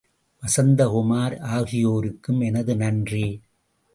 வசந்த குமார் ஆகியோருக்கும் எனது நன்றி.